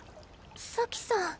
咲さん。